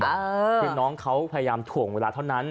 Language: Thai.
คือน้องเขาพยายามถ่วงเวลาเท่านั้น